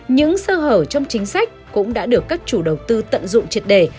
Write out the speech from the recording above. những sơ hở trong chính sách cũng đã được các chủ đầu tư tận dụng triệt đề